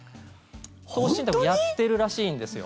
投資信託やってるらしいんですよ。